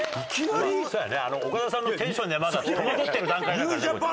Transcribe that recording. オカダさんのテンションでまだ戸惑ってる段階だからね。